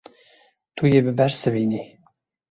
Tu yê bibersivînî.